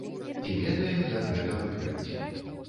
І ведаем, як гэта выправіць.